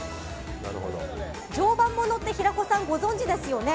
常磐ものって平子さんご存じですよね？